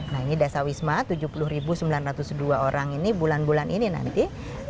nah ini dasar wisma tujuh puluh sembilan ratus dua orang ini bulan bulan ini nanti